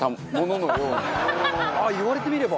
言われてみれば。